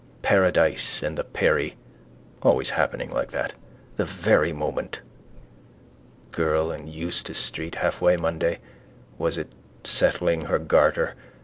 Paradise and the peri. Always happening like that. The very moment. Girl in Eustace street hallway Monday was it settling her garter.